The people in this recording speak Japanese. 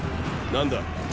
何だ。